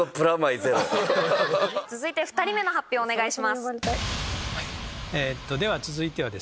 続いて２人目の発表お願いします。